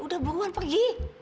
udah buruan pergi